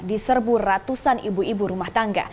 diserbu ratusan ibu ibu rumah tangga